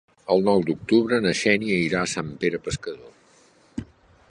El nou d'octubre na Xènia irà a Sant Pere Pescador.